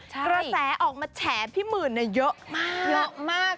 กระแสออกมาแฉพี่หมื่นเยอะมากเยอะมาก